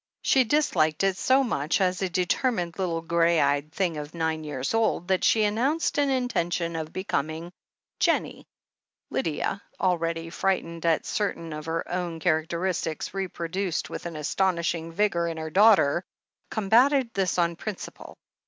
She disliked it so much, as a determined little grey eyed thing of nine years old, that she announced an intention of be coming "Jennie." Lydia, already frightened at certain of her own characteristics reproduced with astonishing vigour in her daughter, combated this on principle.